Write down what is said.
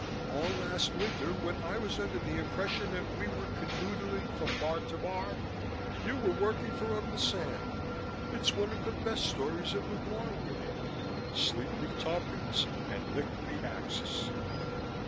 "All last winter, when I was under the impression that we were canoodling from bar to bar, you were working for Uncle Sam! It's one of the best stories of the war, Winnie. Sleep with Tompkins and lick the Axis!"